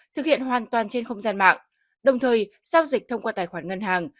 thực hiện hoàn toàn trên không gian mạng đồng thời giao dịch thông qua tài khoản ngân hàng